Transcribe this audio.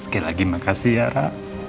sekali lagi makasih yara